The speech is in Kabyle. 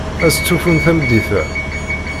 Ad stufun tameddit-a?